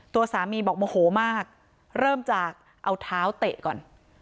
ตัวสามีบอกโมโหมากเริ่มจากเอาเท้าเตะก่อน